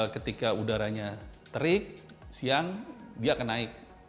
ketika udaranya terik siang dia akan naik